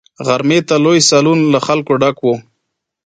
غرمې ته لوی سالون له خلکو ډک وو.